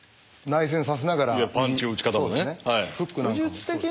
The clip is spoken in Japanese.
パンチの打ち方をね。